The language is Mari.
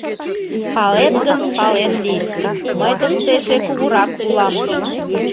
Палет гын, пален лий: мый тыште эше кугурак улам.